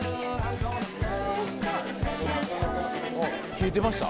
冷えてました？